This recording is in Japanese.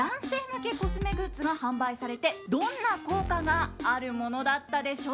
向けコスメグッズが販売されてどんな効果があるものだったでしょうか？